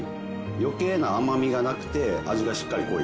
余計な甘みがなくて味がしっかり濃い。